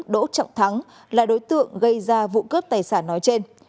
đỗ trọng thắng là đối tượng gây ra vụ cướp tài sản nói trên